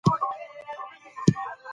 افغانستان د مس له مخې پېژندل کېږي.